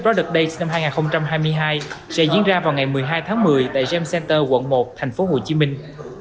rard day năm hai nghìn hai mươi hai sẽ diễn ra vào ngày một mươi hai tháng một mươi tại jm center quận một thành phố hồ chí minh